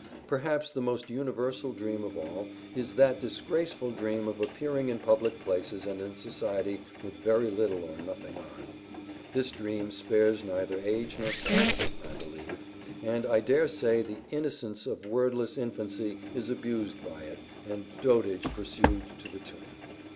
Perhaps the most universal dream of all is that disgraceful dream of appearing in public places and in society with very little or nothing on. This dream spares neither age nor sex, I believe, and I daresay the innocency of wordless infancy is abused by it and dotage pursued to the tomb.